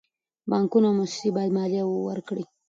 بانکونه او موسسې باید مالیه ورکړي.